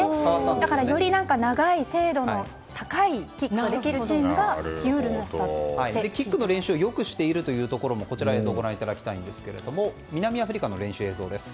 だから、より長い精度の高いキックができるキックの練習をよくしているというところも映像でご覧いただきたいんですが南アフリカの練習映像です。